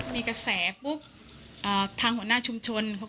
มีกระแสปุ๊บทางหลังหน้าชุมชนเค้าเลยคุยว่า